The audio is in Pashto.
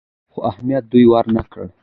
خو اهميت دې ورنه کړ.